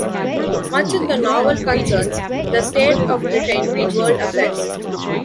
Much in the novel concerns the state of Britain in world affairs.